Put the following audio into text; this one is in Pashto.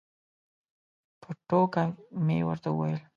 په ټوکه مې ورته وویل.